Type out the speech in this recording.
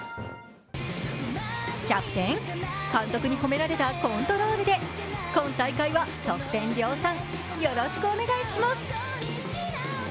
キャプテン、監督に褒められたコントロールで今大会は得点量産、よろしくお願いします。